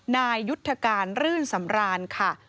นายยุทธการรื่นสำรานค่ะ